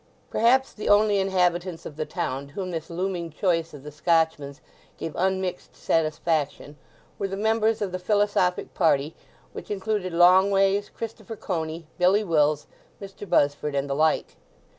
Perhaps the only inhabitants of the town to whom this looming choice of the Scotchman's gave unmixed satisfaction were the members of the philosophic party, which included Longways, Christopher Coney, Billy Wills, Mr. Buzzford, and the like.